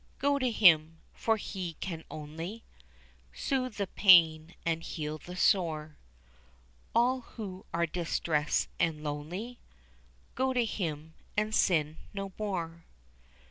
Go to Him! for He can only Soothe the pain and heal the sore, All who are distressed and lonely; Go to Him and sin no more.